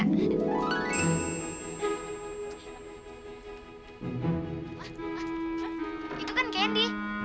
itu kan candy